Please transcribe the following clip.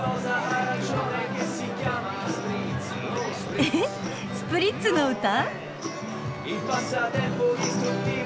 えスプリッツの歌？